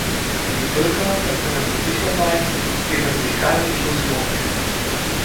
Die Völker, da können wir sicher sein, geben sich keinen Illusionen hin.